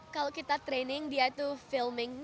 kalau kita training dia itu filming